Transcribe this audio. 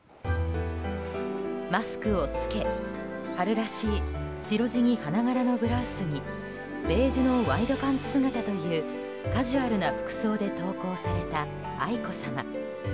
マスクを着け春らしい、白地に花柄のブラウスにベージュのワイドパンツ姿というカジュアルな服装で登校された愛子さま。